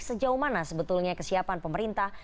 sejauh mana sebetulnya kesiapan pemerintah